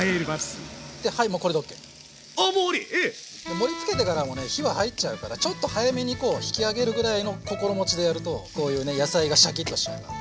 盛りつけてからもね火は入っちゃうからちょっと早めに引き上げるぐらいの心持ちでやるとこういうね野菜がシャキッと仕上がる。